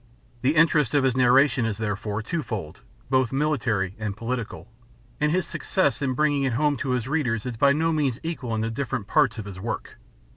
The interest of his narration is, there fore, twofold, both military and political, and his success in bringing it home to his readers is by no means equal in the difi*erent parts of his work.